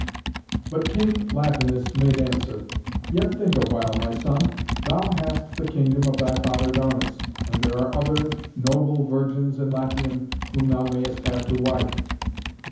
But King Latinus made answer: "Yet think awhile, my son. Thou hast the kingdom of thy father Daunus; and there are other noble virgins in Latium whom thou mayest have to wife.